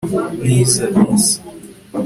mwiza (bis